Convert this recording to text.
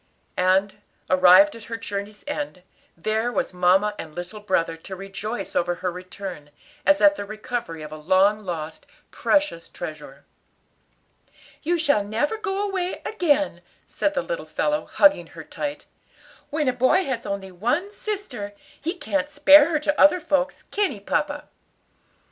And, arrived at her journey's end, there were mamma and little brother to rejoice over her return, as at the recovery of a long lost, precious treasure. "You shall never go away again," said the little fellow, hugging her tight. "When a boy has only one sister, he can't spare her to other folks, can he, papa?"